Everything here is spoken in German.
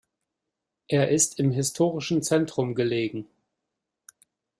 Er ist im historischen Zentrum gelegen.